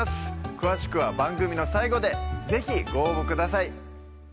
詳しくは番組の最後で是非ご応募ください